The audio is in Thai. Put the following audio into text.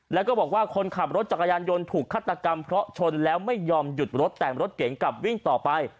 แล้วก็บอกว่าคนขับรถจักรยานยนต์ถูกฆาตกรรมเพราะชนแล้วไม่ยอมหยุดรถแต่รถเก๋งกลับวิ่งต่อไป